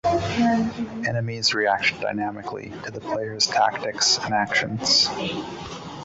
Enemies react dynamically to the player's tactics and actions.